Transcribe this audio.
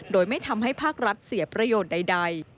โดยไม่ทำให้ภาครัฐเสียประโยชน์ใด